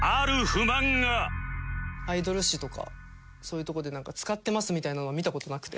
アイドル誌とかそういうとこでなんか「使ってます」みたいなのを見た事なくて。